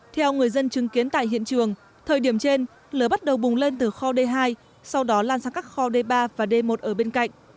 theo người dân chứng kiến tại hiện trường thời điểm trên lửa bắt đầu bùng lên từ kho d hai sau đó lan sang các kho d ba và d một ở bên cạnh